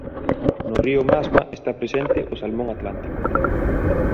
No río Masma está presente o salmón atlántico.